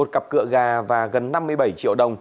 một cặp cựa gà và gần năm mươi bảy triệu đồng